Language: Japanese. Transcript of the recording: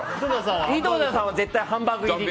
井戸田さんは絶対にハンバーグ入りで。